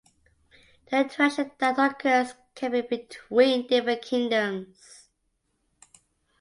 The interaction that occurs can be between different kingdoms.